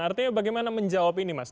artinya bagaimana menjawab ini mas